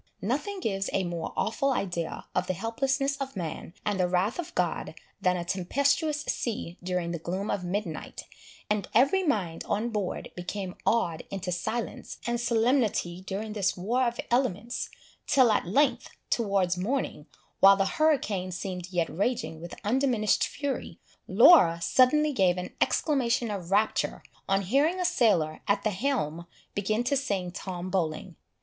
Nothing gives a more awful idea of the helplessness of man, and the wrath of God, than a tempestuous sea during the gloom of midnight; and every mind on board became awed into silence and solemnity during this war of elements, till at length, towards morning, while the hurricane seemed yet raging with undiminished fury, Laura suddenly gave an exclamation of rapture, on hearing a sailor at the helm begin to sing Tom Bowling.